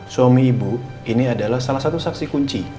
suami ibu ini adalah salah satu saksi kunci